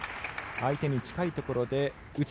相手に近いところで打つ。